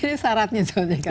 ini syaratnya soalnya kamu